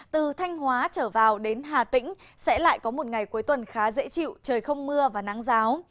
từ thanh hóa trở vào đến hà tĩnh sẽ lại có một ngày cuối tuần khá dễ chịu trời không mưa và nắng giáo